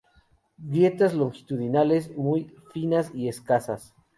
Grietas longitudinales muy finas y escasas.